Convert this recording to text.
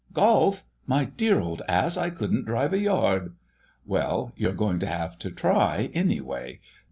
"Golf! My dear old ass, I couldn't drive a yard!" "Well, you're going to have a try, anyway.